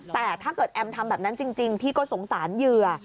แต่ถ้าเกิดแอมทำแบบนั้นจริงพี่ก็สงสารเหยื่อ